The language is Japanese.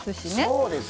そうですね。